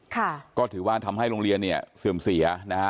ค่ะก็ถือว่าทำให้โรงเรียนเนี่ยเสื่อมเสียนะฮะ